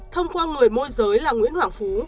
thông qua người môi giới là nguyễn hoàng phú